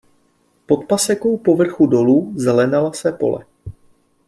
Pod pasekou po vrchu dolů zelenala se pole.